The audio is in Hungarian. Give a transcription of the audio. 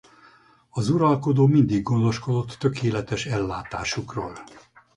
Az uralkodó mindig gondoskodott tökéletes ellátásukról.